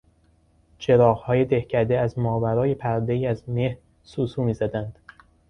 چراغهای دهکده از ماورای پردهای از مه سوسو میزدند.